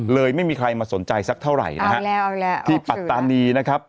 ไม่มีใครมาสนใจสักเท่าไหร่นะฮะที่ปัตตานีนะครับ